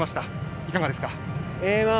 いかがですか？